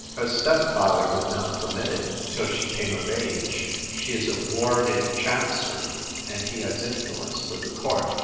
" Her stepfather v^ould not permit it till she came of age. She is a ward in Chancery, and he has influence with the court.